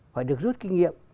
phải được rút kinh nghiệm